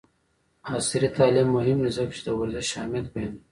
عصري تعلیم مهم دی ځکه چې د ورزش اهمیت بیانوي.